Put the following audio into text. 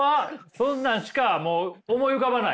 そんなんしかもう思い浮かばない？